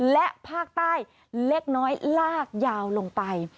และภาคใต้เล็กน้อยลากยาวลงไป